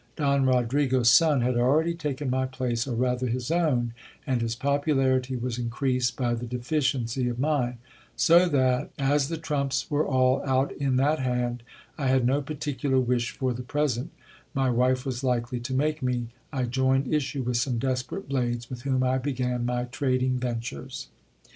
Don Rodrigo' s son had already taken my j lace, or rather his own, and his popularity was increased by the deficiency of mine ; so that as the trumps were all out in that hand, and I had no particular wish for the present my wife was likely to make me, I joined issue with some desperate blades, with whom I began my trading ventures.